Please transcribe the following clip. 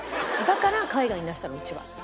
だから海外に出したのうちは。